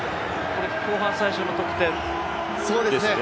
後半最初の得点ですね。